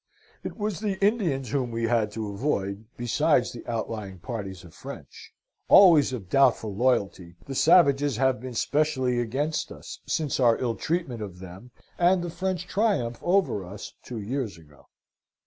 It was the Indians whom we had to avoid, besides the outlying parties of French. Always of doubtful loyalty, the savages have been specially against us, since our ill treatment of them, and the French triumph over us two years ago.